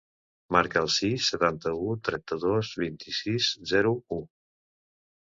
Marca el sis, setanta-u, trenta-dos, vint-i-sis, zero, u.